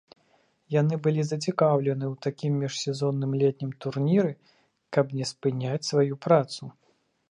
Яны былі зацікаўлены ў такім міжсезонным летнім турніры, каб не спыняць сваю працу.